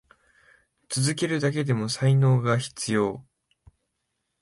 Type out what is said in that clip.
続けるだけでも才能が必要。